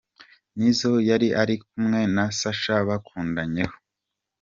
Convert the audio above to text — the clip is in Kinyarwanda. Nizzo yari ari kumwe na Sacha bakundanyeho.